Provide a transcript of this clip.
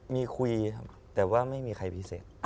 มีคุยครับแต่ว่าไม่มีใครพิเศษ